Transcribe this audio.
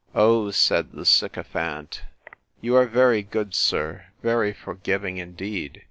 O, said the sycophant, you are very good, sir, very forgiving, indeed!